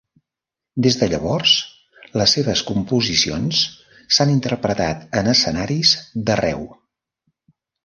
Des de llavors, les seves composicions s'han interpretat en escenaris d'arreu.